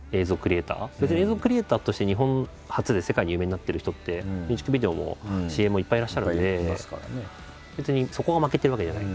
別に映像クリエイターとして日本発で世界に有名になってる人ってミュージックビデオもＣＭもいっぱいいらっしゃるんで別にそこが負けてるわけじゃない。